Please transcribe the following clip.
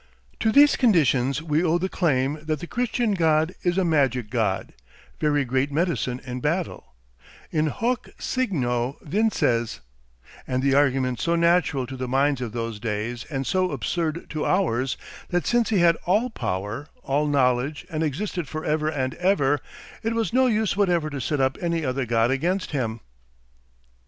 To these conditions we owe the claim that the Christian God is a magic god, very great medicine in battle, "in hoc signo vinces," and the argument so natural to the minds of those days and so absurd to ours, that since he had ALL power, all knowledge, and existed for ever and ever, it was no use whatever to set up any other god against him.